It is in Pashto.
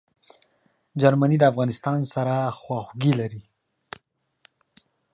جرمني د افغانستان سره خواخوږي لري.